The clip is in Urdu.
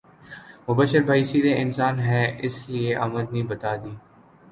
مبشر بھائی سیدھے انسان ہے اس لیے امدنی بتا دی